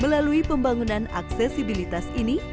melalui pembangunan aksesibilitas ini